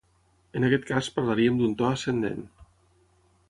En aquest cast parlaríem d'un to ascendent.